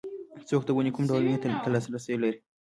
څوک د ونې کوم ډول مېوې ته لاسرسی لري